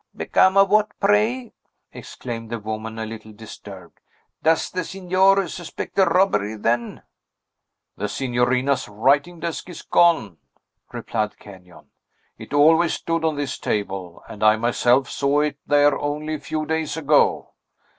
"Become of what, pray?" exclaimed the woman, a little disturbed. "Does the Signore suspect a robbery, then?" "The signorina's writing desk is gone," replied Kenyon; "it always stood on this table, and I myself saw it there only a few days ago."